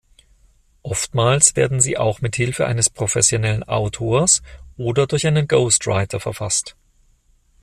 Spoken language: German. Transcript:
Oftmals werden sie auch mit Hilfe eines professionellen Autors oder durch einen Ghostwriter verfasst.